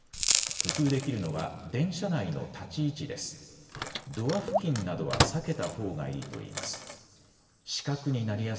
工夫できるのは電車内の立ち位置です。